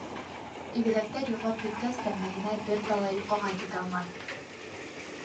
Игеҙәктәр йоҡлап киткәс тә Мәҙинә бер талай йоҡоға китә алманы.